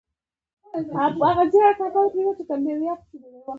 خټکی بدن ته رطوبت زیاتوي.